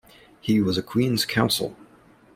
He was a Queen's Counsel.